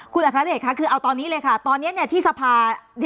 คุณอัครเดชค่ะคือเอาตอนนี้เลยค่ะตอนนี้ที่สภา